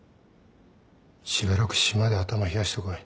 しばらく島で頭冷やしてこい